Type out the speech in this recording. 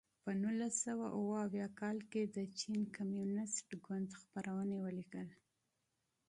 په نولس سوه اووه اویا کال کې د چین کمونېست ګوند خپرونې ولیکل.